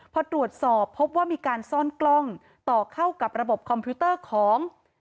พอตรวจสอบพบว่ามีการซ่อนกล้องต่อเข้ากับระบบคอมพิวเตอร์ของ